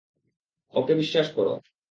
ওকে বিশ্বাস করো।